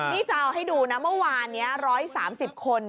นี่จะเอาให้ดูนะเมื่อวานนี้๑๓๐คน